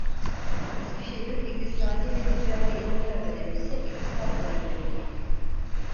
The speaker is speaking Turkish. Eskişehir İktisadi ve Ticari İlimler Akademisi İktisat bölümünü bitirdi.